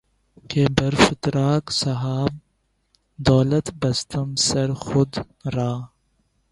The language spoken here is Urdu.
کہ بر فتراک صاحب دولتے بستم سر خود را